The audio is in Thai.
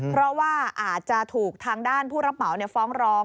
เพราะว่าอาจจะถูกทางด้านผู้รับเหมาฟ้องร้อง